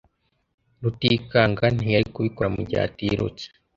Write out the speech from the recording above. Rutikanga ntiyari kubikora mugihe atirutse.